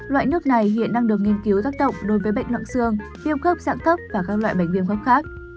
loại nước này hiện đang được nghiên cứu tác động đối với bệnh nặng xương viêm khớp dạng thấp và các loại bệnh viêm khớp khác